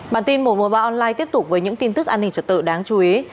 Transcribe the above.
bản tin một trăm một mươi ba online tiếp tục với những tin tức an ninh trật tự đáng chú ý